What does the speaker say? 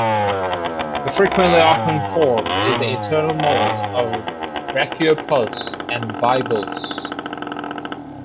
A frequently occurring form is the internal mold of brachiopods and bivalves.